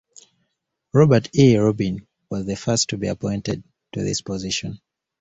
Robert E. Rubin was the first to be appointed to this position.